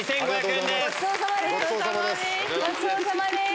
ごちそうさまです。